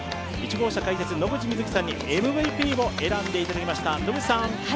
１号車解説・野口みずきさんにＭＶＰを選んでいただきました。